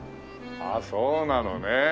ああそうなのね。